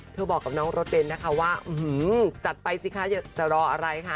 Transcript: บอกกับน้องรถเบนท์นะคะว่าจัดไปสิคะจะรออะไรค่ะ